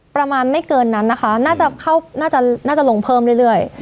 ประมาณไม่เกินนั้นนะคะน่าจะเข้าน่าจะลงเพิ่มเรื่อย